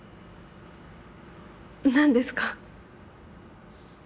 何ですか？